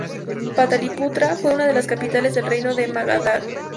Pataliputra fue una de las capitales del reino de Magadha.